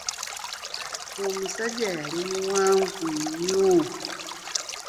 Omusajja yali muwanvu nnyo!